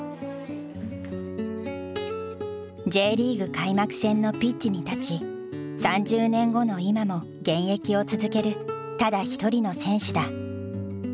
開幕戦のピッチに立ち３０年後の今も現役を続けるただ一人の選手だ。